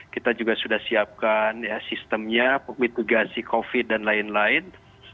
kita juga sudah siapkan sistemnya mitigasi covid dan lain lain